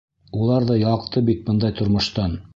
Улар ҙа ялҡты бит бындай тормоштан.